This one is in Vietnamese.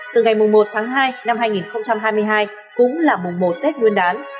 từ ngày một tháng hai năm hai nghìn hai mươi hai cũng là mùa một tết nguyên đán